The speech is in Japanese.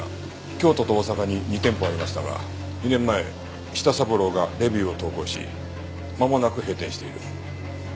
京都と大阪に２店舗ありましたが２年前舌三郎がレビューを投稿しまもなく閉店している。